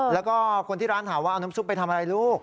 แล้วก็คนที่ร้านถามว่าเอาน้ำซุปไปทำอะไรลูก